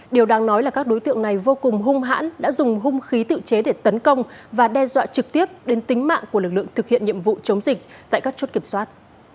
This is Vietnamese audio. điều đáng nói là các đối tượng này vô cùng hung hãn đã dùng hung khí tự chế để tấn công và đe dọa trực tiếp đến tính mạng của lực lượng thực hiện nhiệm vụ chống dịch tại các chốt kiểm soát